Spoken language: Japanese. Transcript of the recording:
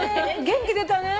元気出たね。